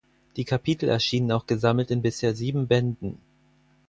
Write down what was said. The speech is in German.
Die Kapitel erschienen auch gesammelt in bisher sieben Bänden.